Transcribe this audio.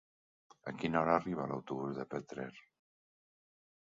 A quina hora arriba l'autobús de Petrer?